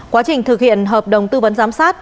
quá trình thực hiện hợp đồng tư vấn giám sát